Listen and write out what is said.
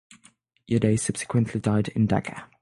Udai subsequently died in Dhaka.